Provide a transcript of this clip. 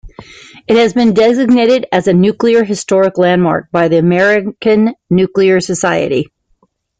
It has been designated as a nuclear historic landmark by the American Nuclear Society.